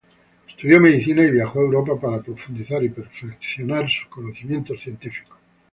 Estudió Medicina y viajó a Europa para profundizar y perfeccionar sus conocimientos científicos.